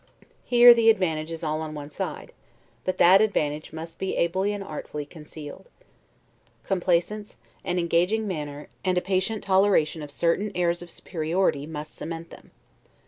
Here, the advantage is all on one side; but that advantage must be ably and artfully concealed. Complaisance, an engaging manner, and a patient toleration of certain airs of superiority, must cement them.